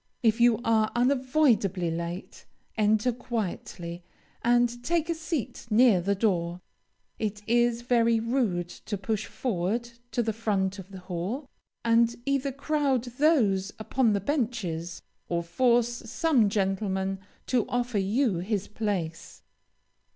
If you are unavoidably late, enter quietly, and take a seat near the door. It is very rude to push forward to the front of the hall, and either crowd those upon the benches, or force some gentleman to offer you his place.